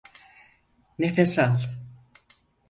Nefes al.